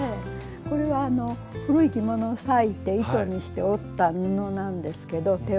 これは古い着物を裂いて糸にして織った布なんですけど手織りの。